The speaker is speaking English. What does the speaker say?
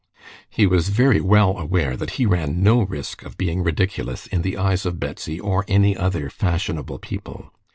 He was very well aware that he ran no risk of being ridiculous in the eyes of Betsy or any other fashionable people.